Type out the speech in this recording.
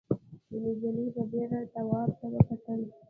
نجلۍ په بېره تواب ته وکتل.